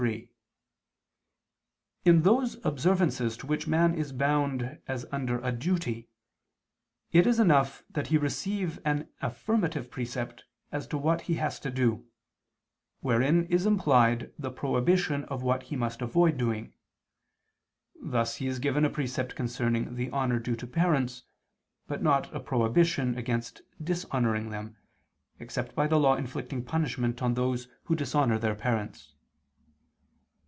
3: In those observances to which man is bound as under a duty, it is enough that he receive an affirmative precept as to what he has to do, wherein is implied the prohibition of what he must avoid doing: thus he is given a precept concerning the honor due to parents, but not a prohibition against dishonoring them, except by the law inflicting punishment on those who dishonor their parents.